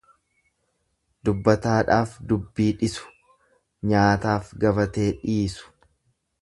Dubbataadhaaf dubbii dhisu, nyaataaf gabatee dhiisu.